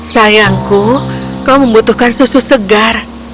sayangku kau membutuhkan susu segar